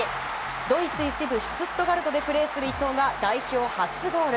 ドイツ１部シュツットガルトでプレーする伊藤が代表初ゴール。